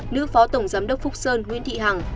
nữ phó tổng giám đốc phúc sơn nguyễn thị hằng